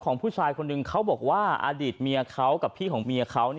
ผู้ชายคนหนึ่งเขาบอกว่าอดีตเมียเขากับพี่ของเมียเขา